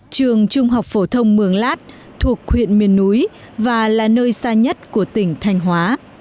trường trung học phổ thông mường lát thuộc huyện miền núi và là nơi xa nhất của tỉnh thanh hóa